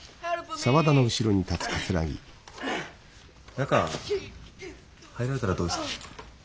中入られたらどうですか？